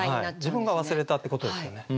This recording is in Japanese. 自分が忘れたってことですよね。